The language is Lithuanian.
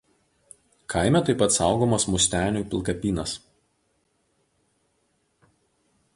Kaime taip pat saugomas Mustenių pilkapynas.